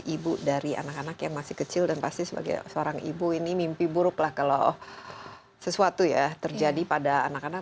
ibu dari anak anak yang masih kecil dan pasti sebagai seorang ibu ini mimpi buruk lah kalau sesuatu ya terjadi pada anak anak